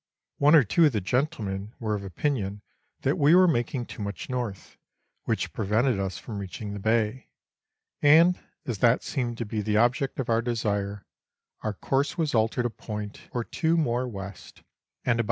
One or two of the gentlemen were of opinion that we were making too much north, which prevented vis from reaching the bay, and as that seemed to be the object of our desire, our course was altered a point or two more west, and about Letters from Victorian Pioneers.